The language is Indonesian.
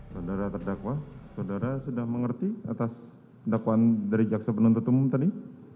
saudara terdakwa saudara sudah mengerti atas dakwaan dari jaksa penuntut umum tadi